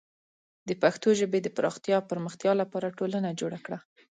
د پښتو ژبې د پراختیا او پرمختیا لپاره ټولنه جوړه کړه.